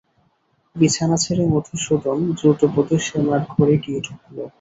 বিছানা ছেড়ে মধুসূদন দ্রুত পদে শ্যামার ঘরে গিয়ে ঢুকল।